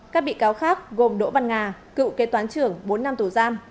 các bị cáo khác gồm đỗ văn nga cựu kế toán trưởng bốn năm tù giam